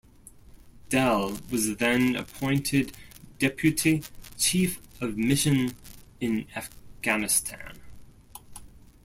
Dell was then appointed deputy chief of mission in Afghanistan.